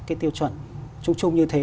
cái tiêu chuẩn chung chung như thế